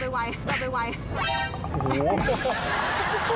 นี่คือแป้งหนูก็จะบีบก่อน